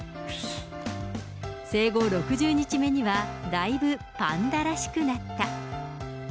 生後６０日目にはだいぶパンダらしくなった。